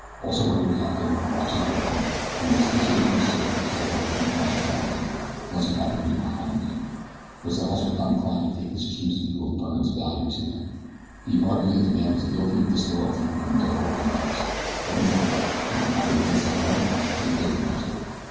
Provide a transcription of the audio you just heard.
Also, my dear captain, watch his right hand and when he slips it into his shirt be careful that you do not draw on him unless you happen to be behind him." Rozales was not inclined to take his chief's view of Byrne's value to them. He argued that the man was guilty of disloyalty and therefore a menace. What he thought, but did not advance as an argument, was of a different nature.